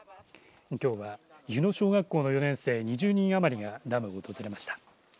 きょうは柚野小学校の４年生２０人余りがダムを訪れました。